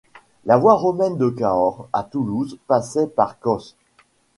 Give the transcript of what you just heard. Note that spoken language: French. La voie romaine de Cahors à Toulouse passait par Cos.